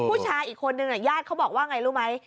ผู้ชายอีกคนนึงญาติเขาบอกว่าไงรู้ไหม